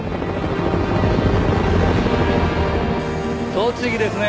栃木ですね。